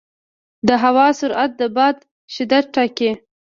د هوا سرعت د باد شدت ټاکي.